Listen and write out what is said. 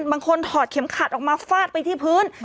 ถอดเข็มขัดออกมาฟาดไปที่พื้น